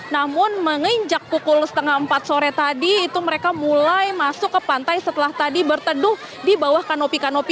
namun menginjak pukul setengah empat sore tadi itu mereka mulai masuk ke pantai setelah tadi berteduh di bawah kanopi kanopi